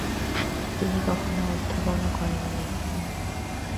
তিনি কখনও অধ্যাপনা করেনি।